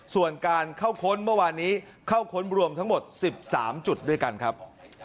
ส่วนการเข้าค้นเมื่อวานนี้เข้าค้นรวมทั้งหมด๑๓จุดด้วยกันครับ